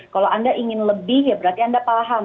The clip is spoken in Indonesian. kalau anda ingin lebih ya berarti anda paham